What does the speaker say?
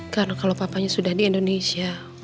karena kalau papanya sudah di indonesia